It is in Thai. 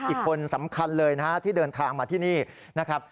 อีกคนสำคัญเลยนะฮะที่เดินทางมาที่นี่นะครับ